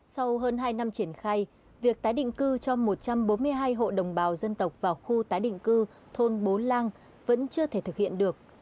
sau hơn hai năm triển khai việc tái định cư cho một trăm bốn mươi hai hộ đồng bào dân tộc vào khu tái định cư thôn bốn lang vẫn chưa thể thực hiện được